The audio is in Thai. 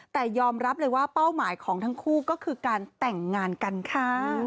แต่ยอมรับเลยว่าเป้าหมายของทั้งคู่ก็คือการแต่งงานกันค่ะ